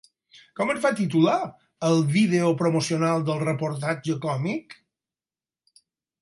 Com es va titular el vídeo promocional del reportatge còmic?